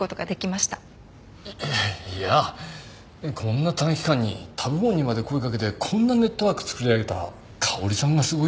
いやこんな短期間に他部門にまで声かけてこんなネットワーク作り上げた香織さんがすごいです。